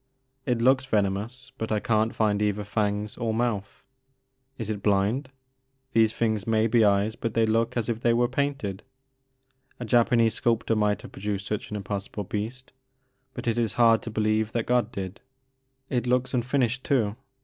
It looks venomous but I can't find either fangs or mouth. Is it blind ? These things may be eyes but they look as if they were painted. A Japanese sculptor might have produced such an impossible beast, but it is hard 4 The Maker of Moons. to believe that God did. It looks unfinished too.